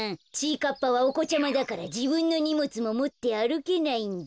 かっぱはおこちゃまだからじぶんのにもつももってあるけないんだ。